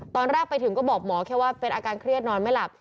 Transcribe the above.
ตอนแรกไปถึงก็บอกหมอแค่ว่าเป็นอาการเครียดนอนไม่หลับ